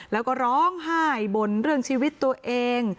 แล้วก็ร้องไห้บ่นเรื่องชีวิตตัวเอง